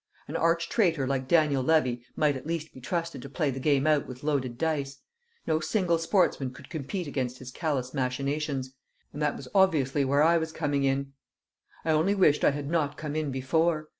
An arch traitor like Daniel Levy might at least be trusted to play the game out with loaded dice; no single sportsman could compete against his callous machinations; and that was obviously where I was coming in. I only wished I had not come in before!